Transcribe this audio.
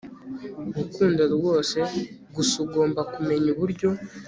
gukunda rwose gusa ugomba kumenya uburyo